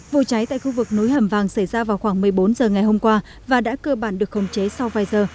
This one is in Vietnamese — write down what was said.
vụ cháy tại khu vực núi hầm vàng xảy ra vào khoảng một mươi bốn giờ ngày hôm qua và đã cơ bản được khống chế sau vài giờ